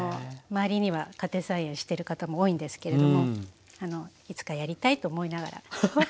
周りには家庭菜園してる方も多いんですけれどもいつかやりたいと思いながら。